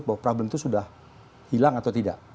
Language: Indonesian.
bahwa problem itu sudah hilang atau tidak